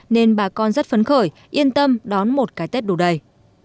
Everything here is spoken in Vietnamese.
nên bà con rất phấn khởi yên tâm đón một cái tết đủ đầy